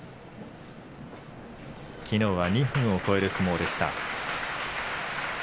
きのうは２分を超える相撲でした。